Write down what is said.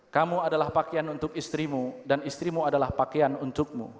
kamu adalah pakaian untuk istrimu dan istrimu adalah pakaian untukmu